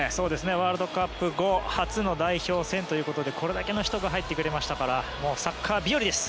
ワールドカップ後初の代表戦ということでこれだけの人が入ってくれましたからサッカー日和です。